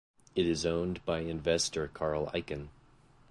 It is owned by investor Carl Icahn.